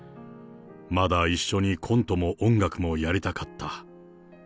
まだ一緒にコントも音楽もやりたかった。